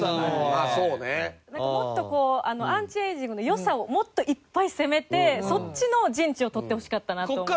なんかもっとこうアンチエイジングの良さをもっといっぱい攻めてそっちの陣地を取ってほしかったなと思いました。